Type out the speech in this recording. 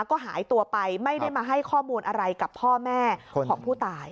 ก็หายตัวไปไม่ได้มาให้ข้อมูลอะไรกับพ่อแม่ของผู้ตาย